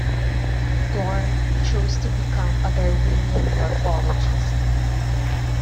Dohrn chose to become a "Darwinian morphologist".